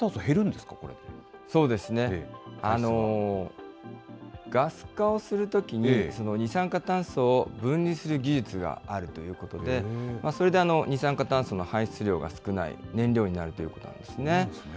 そうですね、ガス化をするときに二酸化炭素を分離する技術があるということで、それで二酸化炭素の排出量が少ない燃料になるということなんですね。